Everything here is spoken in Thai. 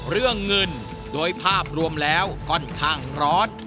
เรื่องเงินโดยภาพรวมแล้วค่อนข้างร้อน